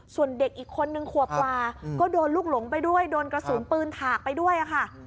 ส่วนเด็กอีกคนนึงขวบกว่าก็โดนลูกหลงไปด้วยโดนกระสุนปืนถากไปด้วยค่ะ